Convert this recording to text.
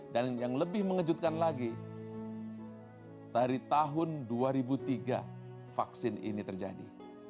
dan yang lebih mengejutkan lagi dari tahun dua ribu tiga vaksin ini terjadi